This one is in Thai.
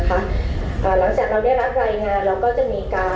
หลังจากเราได้รับรายงานเราก็จะมีการ